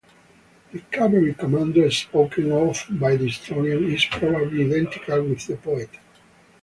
The cavalry commander spoken of by the historian is probably identical with the poet.